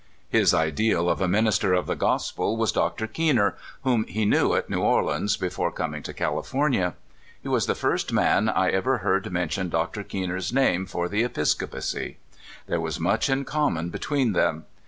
His ideal of a minister of the gospel was Dr. Keener, whom he knew at New Orleans before coming to California. He was the first man I ever heard mention Dr. Keener's name for the episcopacy. There was much in common be tween them.